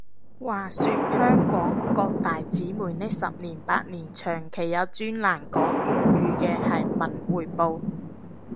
話說香港各大紙媒呢十年八年，長期有專欄講粵語嘅係文匯報